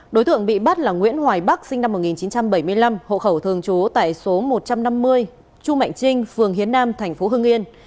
đối thượng bị bắt là nguyễn hoài bắc sinh năm một nghìn chín trăm bảy mươi năm hộ khẩu thường chú tại số một trăm năm mươi chu mạnh trinh phường hiến nam tp hương yên